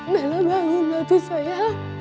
bella bangun hatu saya